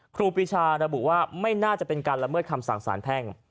ครูปีชาระบุว่าไม่น่าจะเป็นการละเมิดคำสั่งสารแพ่ง